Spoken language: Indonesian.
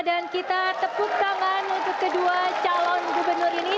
dan kita tepuk tangan untuk kedua calon gubernur ini